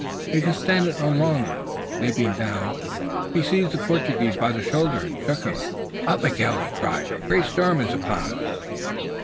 He could stand it no longer, and, leaping down, he seized the Portuguese by the shoulder and shook him. "Up, Miguel," he cried. "A great storm is upon us!"